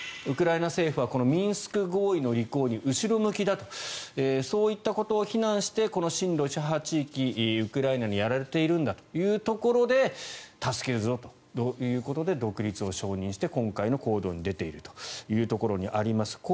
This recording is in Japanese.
ウクライナ政府はこのミンスク合意の履行に後ろ向きだとそういったことを非難してこの親ロシア派地域ウクライナにやられているんだというところで助けるぞということで独立を承認して今回の行動に出ているというところにあります。